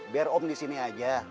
biar om disini aja